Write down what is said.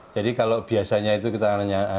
jadi kalau biasanya itu kita akan nanya